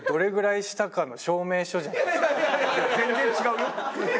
全然違うよ。